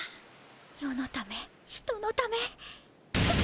世のため人のため。